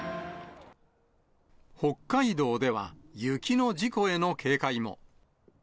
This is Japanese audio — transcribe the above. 北海道では、雪の事故への警戒も。